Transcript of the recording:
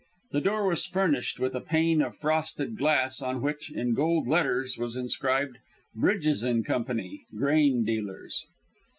The door was furnished with a pane of frosted glass, on which, in gold letters, was inscribed, "Bridges & Co., Grain Dealers."